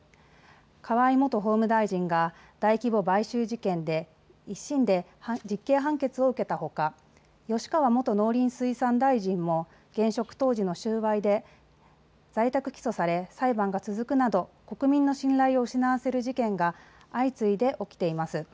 河井元法務大臣が大規模買収事件で１審で実刑判決を受けたほか吉川元農林水産大臣も現職当時の収賄で在宅起訴され、裁判が続くなど国民の信頼を失わせる事件が相次いで起きています。